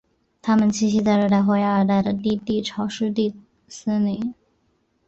它们栖息在热带或亚热带的低地潮湿森林。